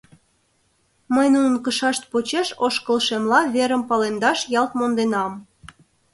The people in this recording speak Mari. Мый нунын кышашт почеш ошкылшемла верым палемдаш ялт монденам.